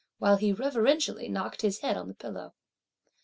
while he reverentially knocked his head on the pillow.